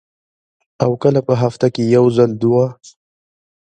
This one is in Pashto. او کله پۀ هفته کښې یو ځل دوه ـ